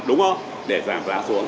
để giảm giá xuống